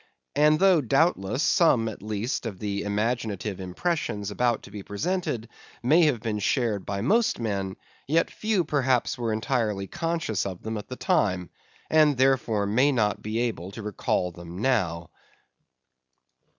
And though, doubtless, some at least of the imaginative impressions about to be presented may have been shared by most men, yet few perhaps were entirely conscious of them at the time, and therefore may not be able to recall them now.